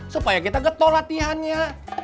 supaya kita getoh latihannya